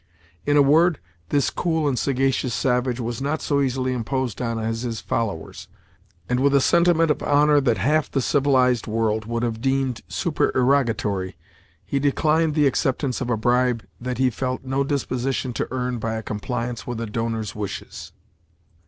In a word, this cool and sagacious savage was not so easily imposed on as his followers, and with a sentiment of honor that half the civilized world would have deemed supererogatory, he declined the acceptance of a bribe that he felt no disposition to earn by a compliance with the donor's wishes.